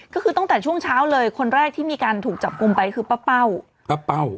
ก็คือตั้งแต่ช่วงเช้าเลยคนแรกที่มีการถูกจับกลุ่มไปคือป้าเป้าป้าเป้า